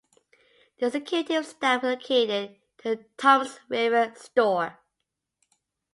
The executive staff relocated to the Toms River store.